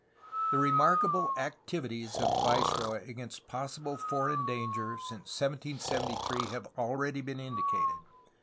The remarkable activities of the viceroy against possible foreign danger since 1773 have already been indicated.